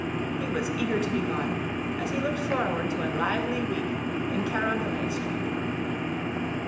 He was eager to be gone, as he looked forward to a lively week in Carondelet Street.